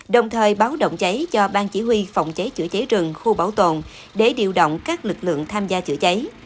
đồng thời báo động cháy cho bang chỉ huy phòng cháy chữa cháy rừng khu bảo tồn để điều động các lực lượng tham gia chữa cháy